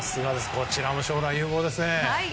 こちらも将来有望ですね。